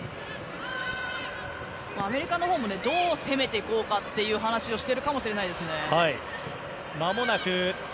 アメリカのほうもどう攻めていこうかという話をしているかもしれないですね。